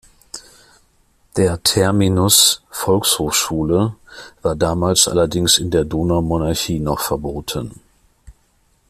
Der Terminus Volkshochschule war damals allerdings in der Donaumonarchie noch verboten.